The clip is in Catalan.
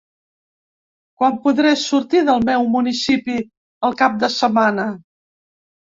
Quan podré sortir del meu municipi el cap de setmana?